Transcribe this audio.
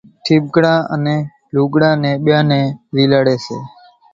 ٺيٻڙڪا نين انين لوڳڙا نين ٻيئان نين زيلاڙي سي